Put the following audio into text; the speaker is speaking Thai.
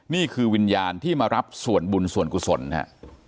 นี่คือวิญญาณที่มารับส่วนบุญส่วนกุศลนะฮะ